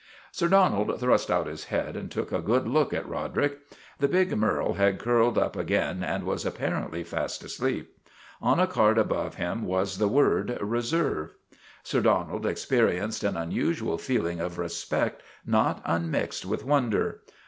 Sir Donald thrust out his head and took a good look at Roderick. The big merle had curled up again and was apparently fast asleep. On a card above him was the word ' Reserve." Sir Donald experienced an unusual feeling of respect not un mixed with wonder.